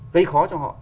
gây khó cho họ